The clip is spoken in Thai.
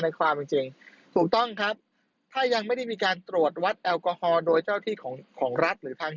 เพราะเขายังไม่ได้มีการปฏิเสธ